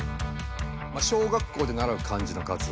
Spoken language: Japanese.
まあ「小学校でならう漢字の数」